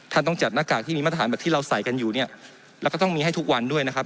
ต้องจัดหน้ากากที่มีมาตรฐานแบบที่เราใส่กันอยู่เนี่ยแล้วก็ต้องมีให้ทุกวันด้วยนะครับ